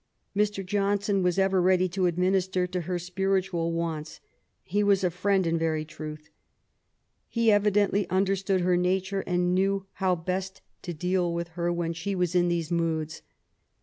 Mr. Johnson was ever ready to administer to her spiritual wants ; he was a friend in very truth. He evidently understood her nature^ and knew how best to deal with LITEBAEY LIFE. 77 her when she was in these moods.